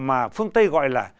mà phương tây gọi là